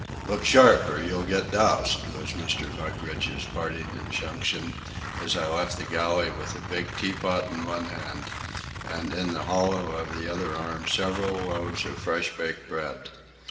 "Look sharp or you'll get doused," was Mr. Mugridge's parting injunction, as I left the galley with a big tea pot in one hand, and in the hollow of the other arm several loaves of fresh baked bread.